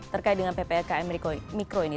terkait dengan ppkm mikro ini